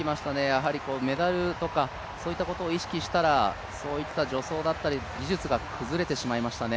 やはりメダルとかそういったことを意識したら、助走だったり技術が崩れてしまいましたね。